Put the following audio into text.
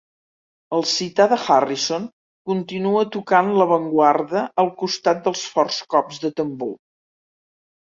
El sitar de Harrison continua tocant a l'avantguarda, al costat dels forts cops de tambor.